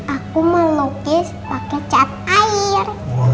aku melukis pakai cat air